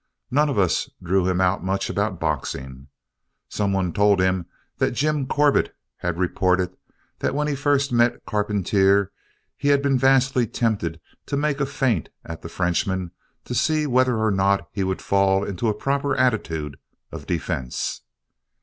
None of us drew him out much about boxing. Somebody told him that Jim Corbett had reported that when he first met Carpentier he had been vastly tempted to make a feint at the Frenchman to see whether or not he would fall into a proper attitude of defense.